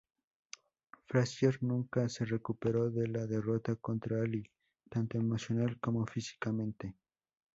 Frazier nunca se recuperó de la derrota contra Ali, tanto emocional como físicamente.